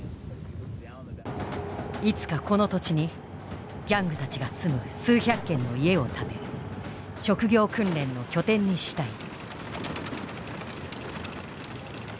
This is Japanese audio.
いつかこの土地にギャングたちが住む数百軒の家を建て職業訓練の拠点にしたい。